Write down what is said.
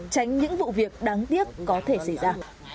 tránh những vụ việc đáng tiếc có thể xảy ra